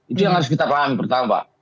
itu yang harus kita pahami pertama pak